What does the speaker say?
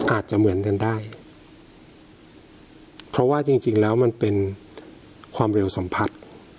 อาจจะเหมือนกันได้เพราะว่าจริงจริงแล้วมันเป็นความเร็วสัมผัส